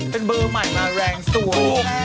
เป็นเบอร์ใหม่มาแรงสวย